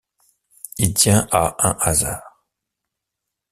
Il tient à un hasard.